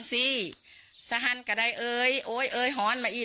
เสธตูไหนน่องแบบนี้